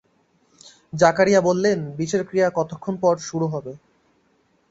জাকারিয়া বললেন, বিষের ক্রিয়া কতক্ষণ পর শুরু হবে?